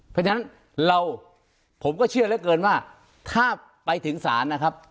เพราะฉะนั้นเราผมก็เชื่อเหลือเกินว่าถ้าไปถึงศาลนะครับ